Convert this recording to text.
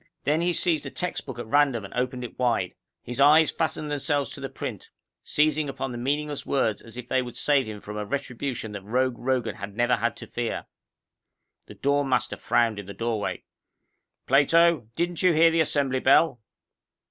Then he seized a textbook at random, and opened it wide. His eyes fastened themselves to the print, seizing upon the meaningless words as if they would save him from a retribution that Rogue Rogan had never had to fear. The dorm master frowned from the doorway. "Plato, didn't you hear the Assembly bell?"